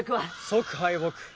即敗北。